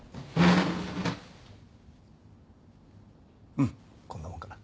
うんこんなもんかな。